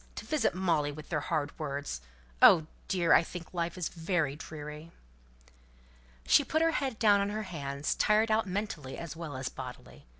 To visit Molly with their hard words! Oh, dear! I think life is very dreary." She put her head down on her hands; tired out mentally as well as bodily.